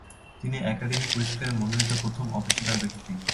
তিনি একাডেমি পুরস্কারের মনোনীত প্রথম অপেশাদার ব্যক্তি।